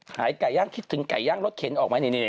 ขายไก่ย่างคิดถึงไก่ย่างรถเข็นออกไหม